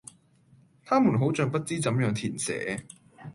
她們好像不知怎樣填寫